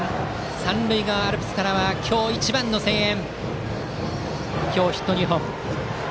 三塁側アルプスからは今日一番の声援。